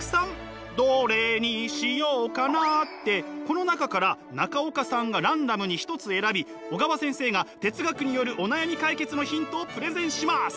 この中から中岡さんがランダムに一つ選び小川先生が哲学によるお悩み解決のヒントをプレゼンします。